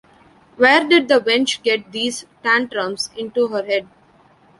Where did the wench get these tantrums into her head?